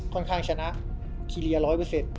ค่อนข้างชนะกีเรียร้อยเปอร์เซ็ต